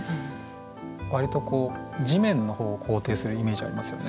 割とこう地面の方を肯定するイメージありますよね。